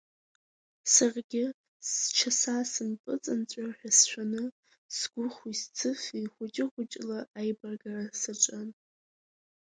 Саргьы счаса сымпыҵанҵәар ҳәа сшәаны, сгәыхәи сцыфеи хәыҷы-хәыҷла аибаргара саҿын.